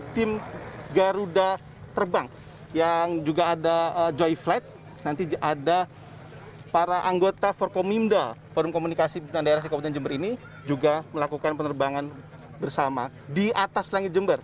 terbang yang juga ada joy flight nanti ada para anggota forkomimda forum komunikasi di jember ini juga melakukan penerbangan bersama di atas langit jember